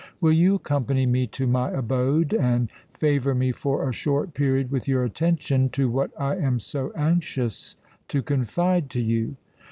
Will you accompany me to my abode, and favour me for a short period with your attention to what I am so anxious to confide to you?"